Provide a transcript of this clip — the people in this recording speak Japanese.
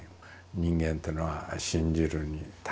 人間というのは信じるに足りると。